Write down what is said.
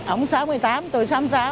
ông sáu mươi tám tôi sáu mươi sáu